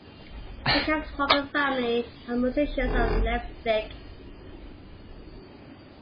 He comes from a family of musicians of Leipzig.